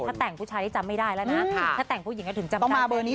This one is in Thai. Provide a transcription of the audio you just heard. ถ้าแต่งผู้ชายนี่จำไม่ได้แล้วนะถ้าแต่งผู้หญิงก็ถึงจำได้เบอร์นี้